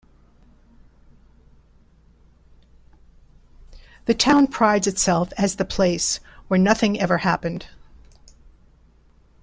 The town prides itself as the place where nothing ever happened.